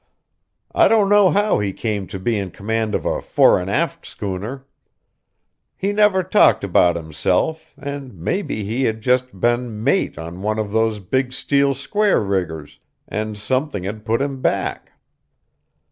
I don't know how he came to be in command of a fore and aft schooner. He never talked about himself, and maybe he had just been mate on one of those big steel square riggers, and something had put him back.